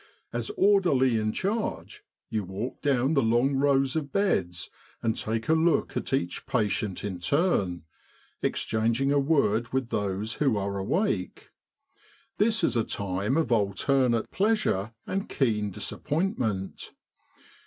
As orderly in charge you walk down the long rows of beds and take a look at each patient in turn, exchanging a word with those who are awake. This is a time of alternate pleasure and keen disappointment.